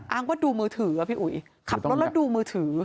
ว่าดูมือถืออ่ะพี่อุ๋ยขับรถแล้วดูมือถือ